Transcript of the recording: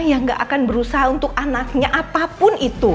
yang gak akan berusaha untuk anaknya apapun itu